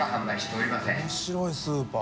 ─舛面白いスーパー。